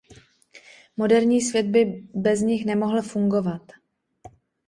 Moderní svět by bez nich nemohl fungovat.